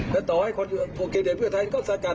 แต่ต่อให้คนอยู่โปรเกเตฟเมืองไทยก็สกัด